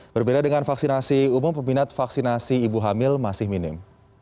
berbeda dengan vaksinasi umum peminat vaksinasi ibu hamil masih minim